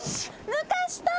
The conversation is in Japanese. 抜かした！